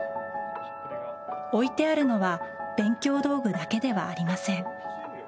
置いてあるのは勉強道具だけではありません。